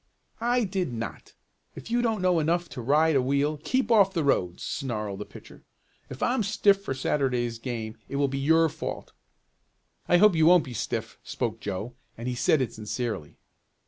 "I did not. If you don't know enough to ride a wheel, keep off the roads!" snarled the pitcher. "If I'm stiff for Saturday's game it will be your fault." "I hope you won't be stiff," spoke Joe, and he said it sincerely.